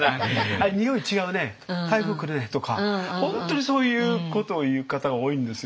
「あれにおい違うね台風来るね」とか本当にそういうことを言う方が多いんですよ。